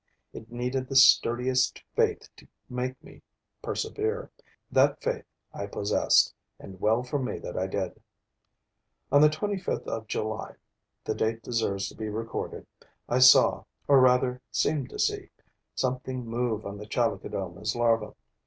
It needed the sturdiest faith to make me persevere. That faith I possessed; and well for me that I did. On the 25th of July the date deserves to be recorded I saw, or rather seemed to see, something move on the Chalicodoma's larva.